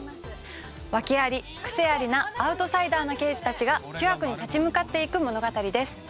ワケありクセありなアウトサイダーな刑事たちが巨悪に立ち向かっていく物語です。